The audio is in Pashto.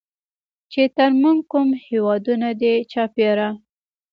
چې تر مونږ کوم هېوادونه دي چاپېره